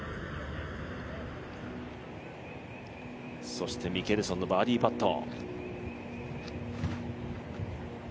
そしてミケルソンのバーディーパット。